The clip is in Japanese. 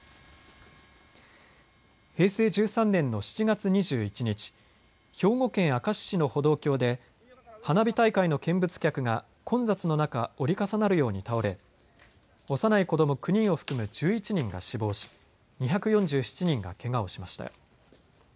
平成１３年の７月２１日、兵庫県明石市の歩道橋で花火大会の見物客が混雑の中、折り重なるように倒れ幼い子ども９人を含む１１人が死亡し２４７人がけがをしました。